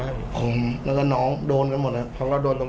ห้ามกันครับผมห้ามกันครับผม